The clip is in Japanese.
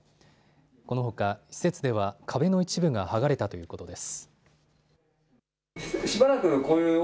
このほか施設では壁の一部が剥がれたということです。